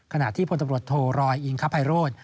ขณะที่พลตำรวจโทรอยอิงคภัยโรธ